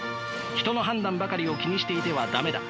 人の判断ばかりを気にしていては駄目だ。